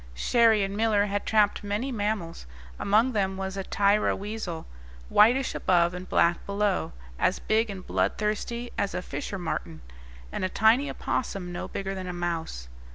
Cherrie and Miller had trapped many mammals. Among them was a tayra weasel, whitish above and black below, as big and blood thirsty as a fisher martin; and a tiny opossum no bigger than a mouse.